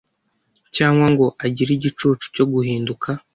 cyangwa ngo agire igicucu cyo guhinduka,